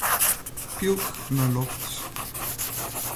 Pylk nei lofts.